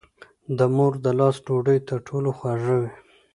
د مور د لاس ډوډۍ تر ټولو خوږه وي.